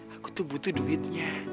aku tuh butuh duitnya